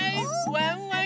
ワンワン